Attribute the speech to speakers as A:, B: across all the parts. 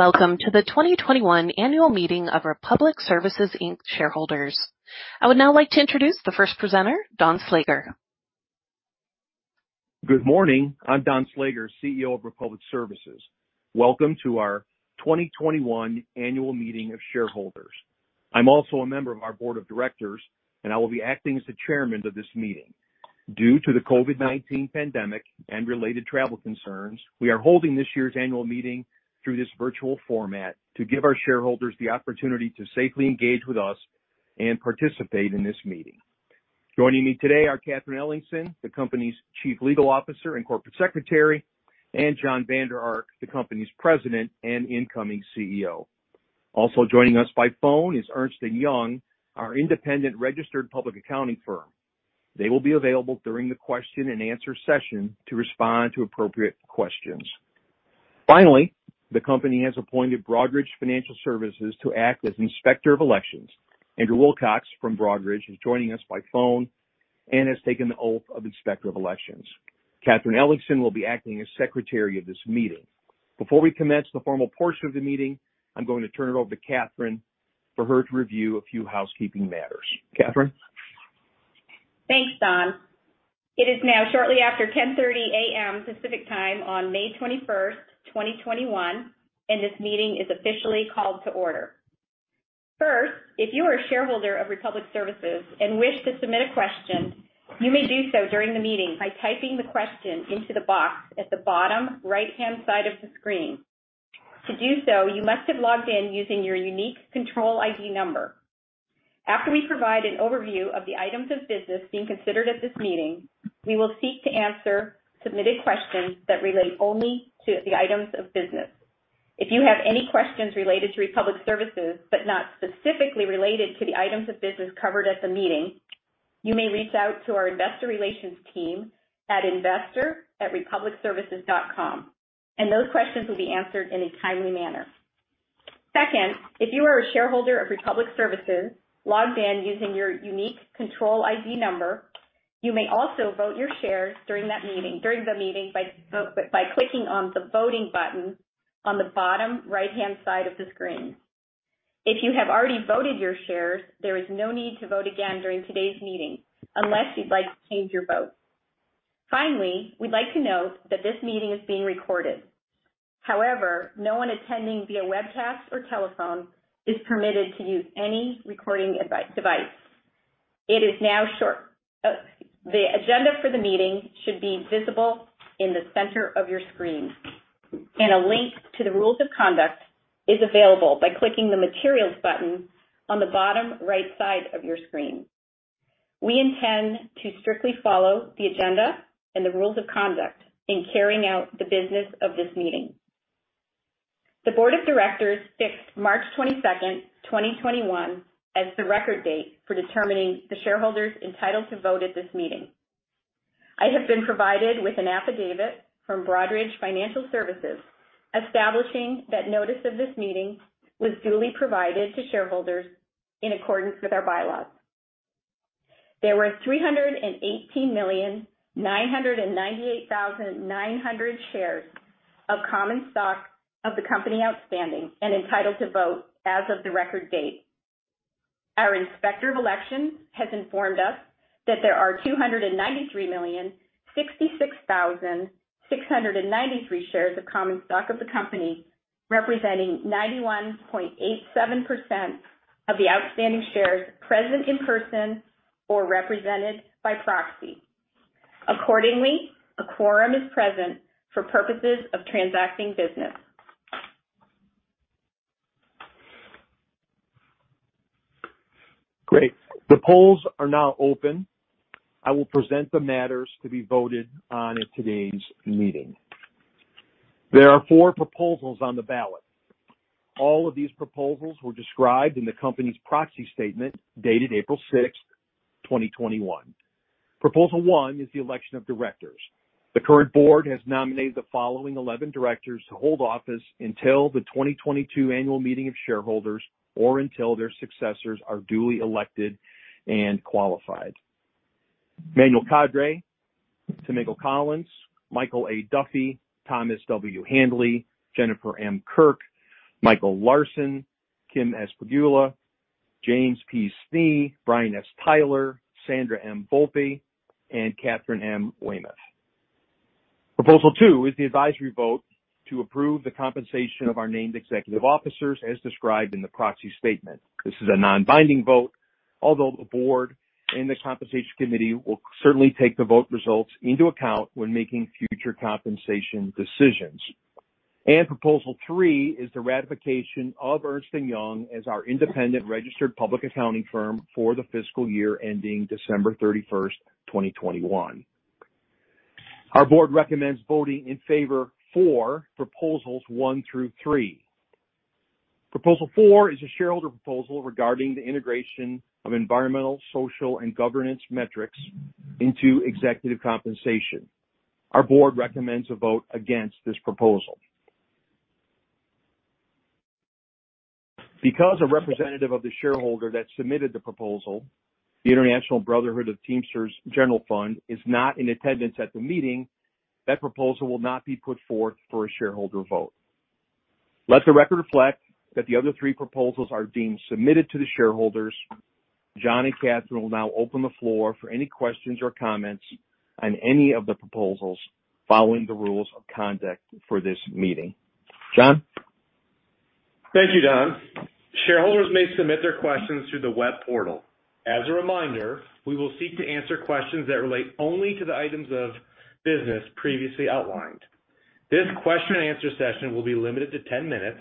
A: Welcome to the 2021 annual meeting of Republic Services, Inc. shareholders. I would now like to introduce the first presenter, Don Slager.
B: Good morning. I'm Don Slager, CEO of Republic Services. Welcome to our 2021 annual meeting of shareholders. I'm also a member of our board of directors, and I will be acting as the chairman of this meeting. Due to the COVID-19 pandemic and related travel concerns, we are holding this year's annual meeting through this virtual format to give our shareholders the opportunity to safely engage with us and participate in this meeting. Joining me today are Catharine Ellingsen, the company's Chief Legal Officer and Corporate Secretary, and Jon Vander Ark, the company's President and incoming CEO. Also joining us by phone is Ernst & Young, our independent registered public accounting firm. They will be available during the question-and-answer session to respond to appropriate questions. Finally, the company has appointed Broadridge Financial Solutions to act as Inspector of Elections. Andrew Wilcox from Broadridge is joining us by phone and has taken the oath of Inspector of Elections. Catharine Ellingsen will be acting as Secretary of this meeting. Before we commence the formal portion of the meeting, I'm going to turn it over to Catharine for her to review a few housekeeping matters. Catharine?
C: Thanks, Don. It is now shortly after 10:30 A.M. Pacific Time on May 21st, 2021, and this meeting is officially called to order. First, if you are a shareholder of Republic Services and wish to submit a question, you may do so during the meeting by typing the question into the box at the bottom right-hand side of the screen. To do so, you must have logged in using your unique control ID number. After we provide an overview of the items of business being considered at this meeting, we will seek to answer submitted questions that relate only to the items of business. If you have any questions related to Republic Services but not specifically related to the items of business covered at the meeting, you may reach out to our investor relations team at investor@republicservices.com, and those questions will be answered in a timely manner. Second, if you are a shareholder of Republic Services logged in using your unique control ID number, you may also vote your shares during the meeting by clicking on the voting button on the bottom right-hand side of the screen. If you have already voted your shares, there is no need to vote again during today's meeting unless you'd like to change your vote. We'd like to note that this meeting is being recorded. No one attending via webcast or telephone is permitted to use any recording device. The agenda for the meeting should be visible in the center of your screen, and a link to the rules of conduct is available by clicking the materials button on the bottom right side of your screen. We intend to strictly follow the agenda and the rules of conduct in carrying out the business of this meeting. The board of directors fixed March 22nd, 2021, as the record date for determining the shareholders entitled to vote at this meeting. I have been provided with an affidavit from Broadridge Financial Solutions establishing that notice of this meeting was duly provided to shareholders in accordance with our bylaws. There were 318,998,900 shares of common stock of the company outstanding and entitled to vote as of the record date. Our Inspector of Elections has informed us that there are 293,066,693 shares of common stock of the company, representing 91.87% of the outstanding shares present in person or represented by proxy. Accordingly, a quorum is present for purposes of transacting business.
B: Great. The polls are now open. I will present the matters to be voted on at today's meeting. There are four proposals on the ballot. All of these proposals were described in the company's proxy statement dated April 6th, 2021. Proposal one is the election of directors. The current board has nominated the following 11 directors to hold office until the 2022 annual meeting of shareholders or until their successors are duly elected and qualified. Manuel Kadre, Tomago Collins, Michael A. Duffy, Thomas W. Handley, Jennifer M. Kirk, Michael Larson, Kim S. Pegula, James P. Snee, Brian S. Tyler, Sandra M. Volpe, and Katherine M. Weymouth. Proposal two is the advisory vote to approve the compensation of our named executive officers as described in the proxy statement. This is a non-binding vote, although the board and the compensation committee will certainly take the vote results into account when making future compensation decisions. Proposal three is the ratification of Ernst & Young as our independent registered public accounting firm for the fiscal year ending December 31st, 2021. Our board recommends voting in favor for proposals one through three. Proposal four is a shareholder proposal regarding the integration of environmental, social, and governance metrics into executive compensation. Our board recommends a vote against this proposal. Because a representative of the shareholder that submitted the proposal, the International Brotherhood of Teamsters General Fund, is not in attendance at the meeting, that proposal will not be put forth for a shareholder vote. Let the record reflect that the other three proposals are being submitted to the shareholders. Jon and Catharine will now open the floor for any questions or comments on any of the proposals following the rules of conduct for this meeting. Jon?
D: Thank you, Don. Shareholders may submit their questions through the web portal. As a reminder, we will seek to answer questions that relate only to the items of business previously outlined. This question-and-answer session will be limited to 10 minutes,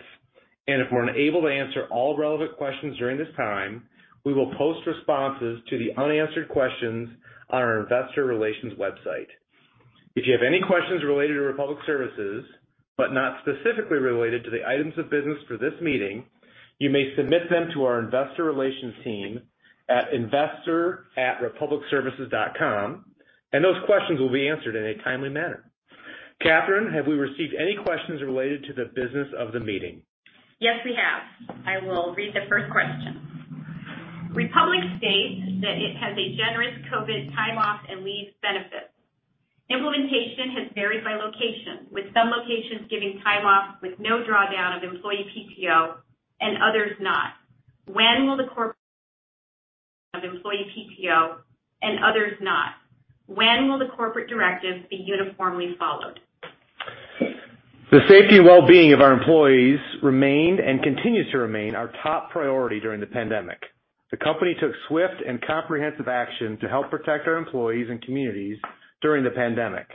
D: and if we're unable to answer all relevant questions during this time, we will post responses to the unanswered questions on our investor relations website. If you have any questions related to Republic Services, but not specifically related to the items of business for this meeting, you may submit them to our investor relations team at investor@republicservices.com and those questions will be answered in a timely manner. Catharine, have we received any questions related to the business of the meeting?
C: Yes, we have. I will read the first question. Republic Services states that it has a generous COVID-19 time off and leave benefit. Implementation has varied by location, with some locations giving time off with no drawdown of employee PTO and others not. When will the corporate PTO and other not? When will the corporate directive be uniformly followed?
D: The safety and well-being of our employees remained and continues to remain our top priority during the pandemic. The company took swift and comprehensive action to help protect our employees and communities during the pandemic.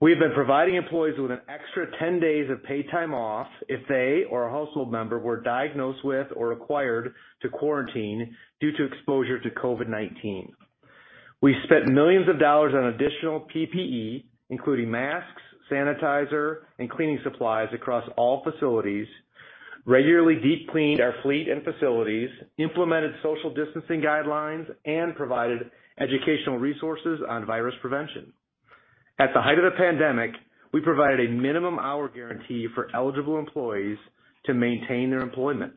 D: We have been providing employees with an extra 10 days of paid time off if they or a household member were diagnosed with or required to quarantine due to exposure to COVID-19. We spent millions of dollars on additional PPE, including masks, sanitizer, and cleaning supplies across all facilities, regularly deep cleaned our fleet and facilities, implemented social distancing guidelines, and provided educational resources on virus prevention. At the height of the pandemic, we provided a minimum hour guarantee for eligible employees to maintain their employment.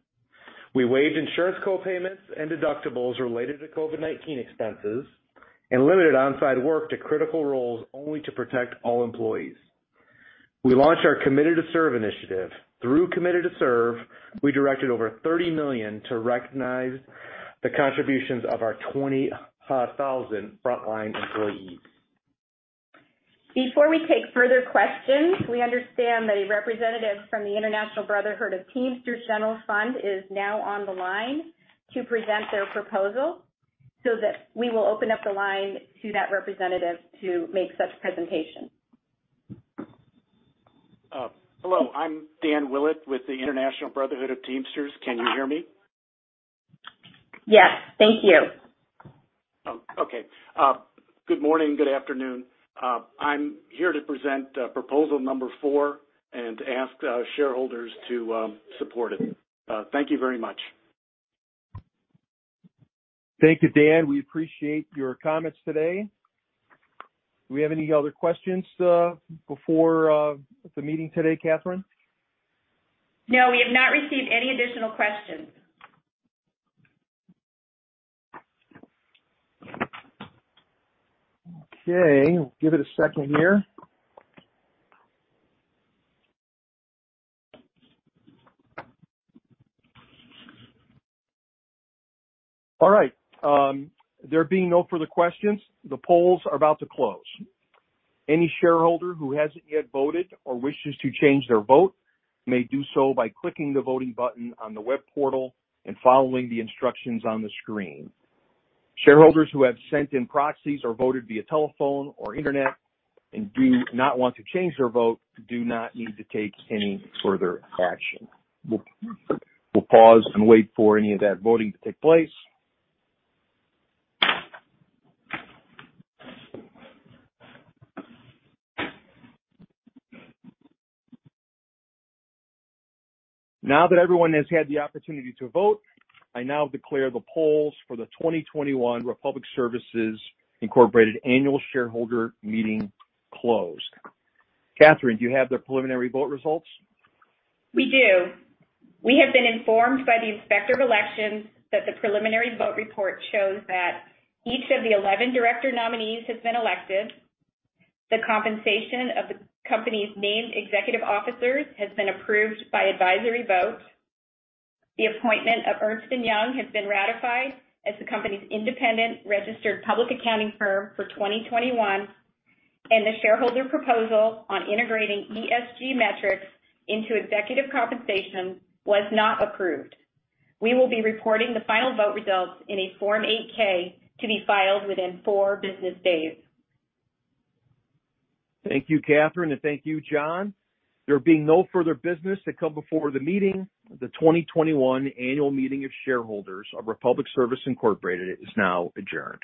D: We waived insurance co-payments and deductibles related to COVID-19 expenses and limited on-site work to critical roles only to protect all employees. We launched our Committed to Serve initiative. Through Committed to Serve, we directed over $30 million to recognize the contributions of our 20,000 frontline employees.
C: Before we take further questions, we understand that a representative from the International Brotherhood of Teamsters General Fund is now on the line to present their proposal, so that we will open up the line to that representative to make such presentation.
E: Hello, I'm Dan Willett with the International Brotherhood of Teamsters. Can you hear me?
C: Yes. Thank you.
E: Okay. Good morning, good afternoon. I'm here to present proposal number four and ask shareholders to support it. Thank you very much.
B: Thank you, Dan. We appreciate your comments today. Do we have any other questions before the meeting today, Catharine?
C: No, we have not received any additional questions.
B: Give it a second here. There being no further questions, the polls are about to close. Any shareholder who hasn't yet voted or wishes to change their vote may do so by clicking the voting button on the web portal and following the instructions on the screen. Shareholders who have sent in proxies or voted via telephone or internet and do not want to change their vote do not need to take any further action. We'll pause and wait for any of that voting to take place. Now that everyone has had the opportunity to vote, I now declare the polls for the 2021 Republic Services Incorporated annual shareholder meeting closed. Catharine, do you have the preliminary vote results?
C: We do. We have been informed by the Inspector of Elections that the preliminary vote report shows that each of the 11 director nominees has been elected. The compensation of the company's named executive officers has been approved by advisory vote. The appointment of Ernst & Young has been ratified as the company's independent registered public accounting firm for 2021, and the shareholder proposal on integrating ESG metrics into executive compensation was not approved. We will be recording the final vote results in a Form 8-K to be filed within four business days.
B: Thank you, Catharine, and thank you, Jon. There being no further business to come before the meeting, the 2021 annual meeting of shareholders of Republic Services Incorporated is now adjourned.